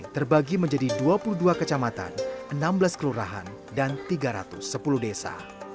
terbagi menjadi dua puluh dua kecamatan enam belas kelurahan dan tiga ratus sepuluh desa